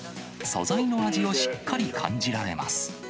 素材の味をしっかり感じられます。